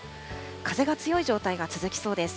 風が強い状態が続きそうです。